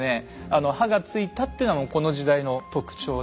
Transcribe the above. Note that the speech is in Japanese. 刃がついたっていうのはもうこの時代の特徴で。